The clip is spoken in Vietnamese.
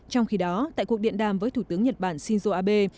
trong khi đó tại cuộc điện đàm với thủ tướng nhật bản shinzo abe